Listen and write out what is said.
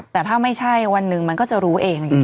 แต่ถ้าไม่ใช่วันหนึ่งก็จะรู้เอง